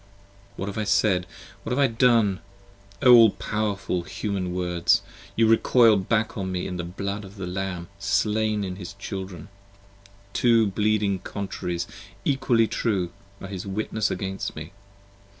p. 24 WHAT have I said? What have I done? O all powerful Human Words! You recoil back upon me in the blood of the Lamb slain in his Children: Two bleeding Contraries, equally true, are his Witnesses against me.